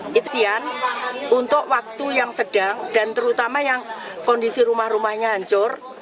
kitsian untuk waktu yang sedang dan terutama yang kondisi rumah rumahnya hancur